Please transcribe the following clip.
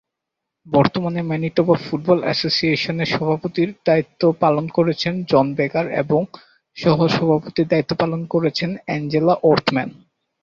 বর্তমানে Manitoba football অ্যাসোসিয়েশনের সভাপতির দায়িত্ব পালন করছেন জন বেকার এবং সহ-সভাপতির দায়িত্ব পালন করছেন অ্যাঞ্জেলা ওর্থম্যান।